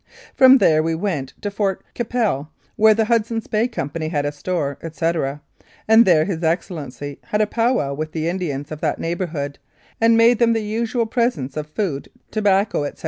From there we went to Fort Qu'Appelle, where the Hudson's Bay Company had a store, etc., and there His Excellency had a pow wow with the Indians of that neighbourhood, and made them the usual presents of food, tobacco, etc.